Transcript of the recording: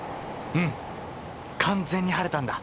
うん完全に晴れたんだ。